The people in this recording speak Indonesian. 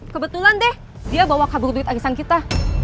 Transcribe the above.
kebetulan deh dia bawa kabur duit arisan kita